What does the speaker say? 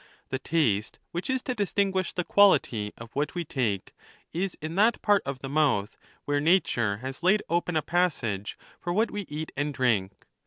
The taste, which is to distinguish the quality of what we take, is in that part of the mouth where nature has laid open a passage for what we eat and drink.